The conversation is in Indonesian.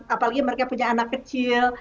apalagi mereka punya anak kecil